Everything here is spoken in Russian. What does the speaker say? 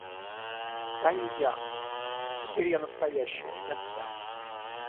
Та не я. Теперь я настоящая, я вся.